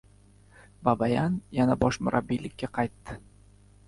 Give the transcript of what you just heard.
Babayan yana bosh murabbiylikka qaytdi